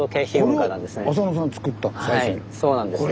はいそうなんです。